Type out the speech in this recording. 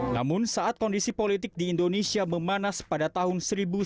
namun saat kondisi politik di indonesia memanas pada tahun seribu sembilan ratus sembilan puluh